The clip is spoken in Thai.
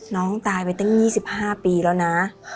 น้องตายไปตั้ง๒๕ปีแล้วนะ